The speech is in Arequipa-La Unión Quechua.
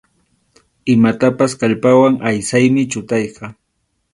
Imatapas kallpawan aysaymi chutayqa.